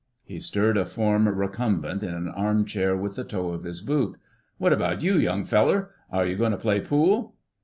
He stirred a form recumbent in an arm chair with the toe of his boot. "What about you, young feller? Are you going to play pool?"